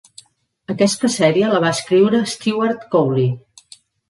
Aquesta sèrie la va escriure Stewart Cowley.